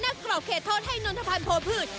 นักกรอบเขตโทษให้นทภัณฑ์โพพืช